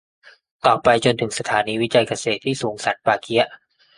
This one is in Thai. ต่อไปจนถึงสถานีวิจัยเกษตรที่สูงสันป่าเกี๊ยะ